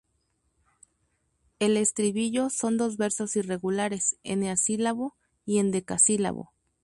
El estribillo son dos versos irregulares-eneasílabo y endecasílabo.